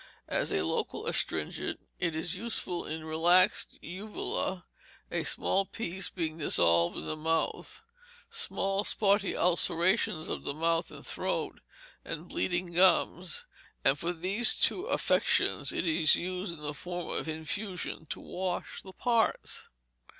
As a local astringent it is useful in relaxed uvula, a small piece being dissolved in the mouth; small, spotty ulcerations of the mouth and throat, and bleeding gums, and for these two affections it is used in the form of infusion to wash the parts.